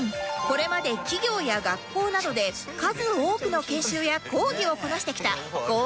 これまで企業や学校などで数多くの研修や講義をこなしてきた講演のプロ